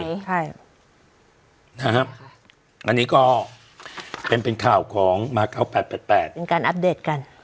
ใช่นะฮะอันนี้ก็เป็นเป็นข่าวของมาเกาะแปดแปดเป็นการอัปเดตกัน